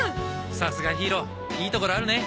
さすがヒーローいいところあるね。